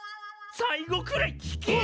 最後くらい聞け！